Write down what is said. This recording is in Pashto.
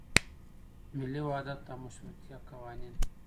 ملي وحدت او مشروطیه قوانین.